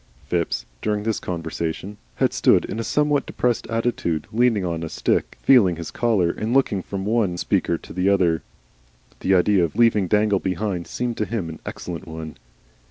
Phipps, during this conversation, had stood in a somewhat depressed attitude, leaning on his stick, feeling his collar, and looking from one speaker to the other. The idea of leaving Dangle behind seemed to him an excellent one.